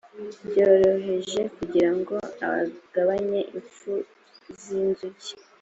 byoroheje kugira ngo agabanye imfu z inzuki